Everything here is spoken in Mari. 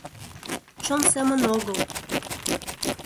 Чон семын огыл.